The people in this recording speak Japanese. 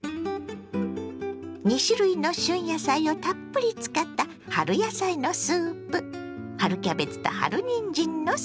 ２種類の旬野菜をたっぷり使った春野菜のスープ。